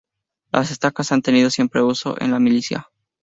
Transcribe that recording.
Las estacas han tenido siempre uso en la milicia.